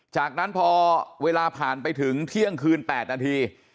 จากนั้นพอเวลาผ่านไปถึงเที่ยงคืน๘นาที